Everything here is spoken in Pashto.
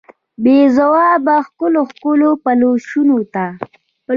بې ځوابه ښکلو، ښکلو پلوشو ته